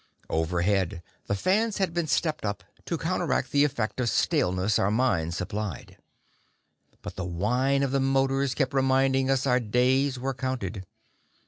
Overhead, the fans had been stepped up to counteract the effect of staleness our minds supplied. But the whine of the motors kept reminding us our days were counted.